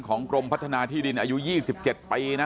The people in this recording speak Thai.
กรมพัฒนาที่ดินอายุ๒๗ปีนะ